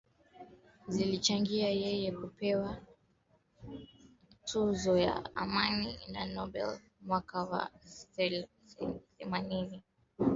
zilichangia yeye kupewa tuzo ya amani ya Nobel mwaka wa themanini na nne Na